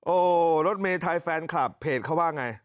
โอ้โหรถเมไทยแฟนคลับเพจเขาว่าไง